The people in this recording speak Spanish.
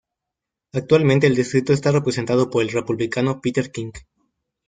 Actualmente el distrito está representado por el Republicano Peter King.